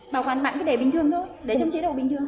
bảo quản mạng cứ để bình thường thôi để trong chế độ bình thường